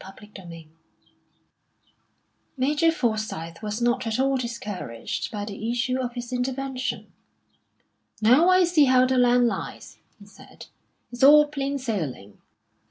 XIV Major Forsyth was not at all discouraged by the issue of his intervention. "Now I see how the land lies," he said, "it's all plain sailing.